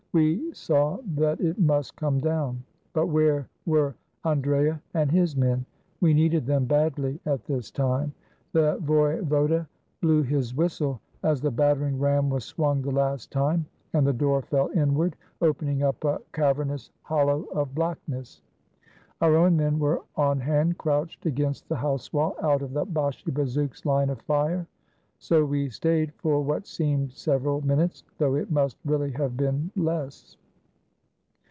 We saw that it must come down. But where were Andrea and his men? We needed them badly at this time. The voivode blew his whistle, as the battering ram was swung the last time, and the door fell inward, opening up a cav ernous hollow of blackness. Our own men were on hand, crouched against the house wall, out of the Bashi bazouk's line of fire. So we stayed, for what seemed several minutes, though it must really have been less.